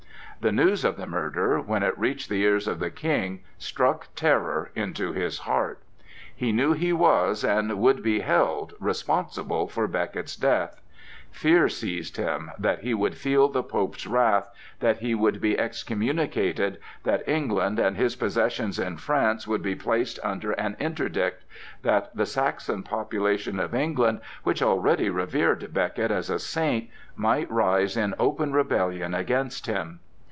The news of the murder, when it reached the ears of the King, struck terror into his heart. He knew he was, and would be held, responsible for Becket's death. Fear seized him, that he would feel the Pope's wrath, that he would be excommunicated, that England and his possessions in France would be placed under an interdict, that the Saxon population of England, which already revered Becket as a saint, might rise in open rebellion against him.